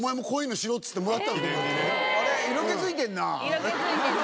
色気づいてんだ？